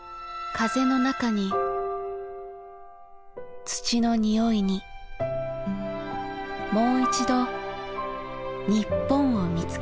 風の中に土の匂いにもういちど日本を見つける。